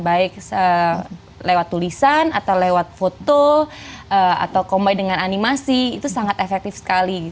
baik lewat tulisan atau lewat foto atau combi dengan animasi itu sangat efektif sekali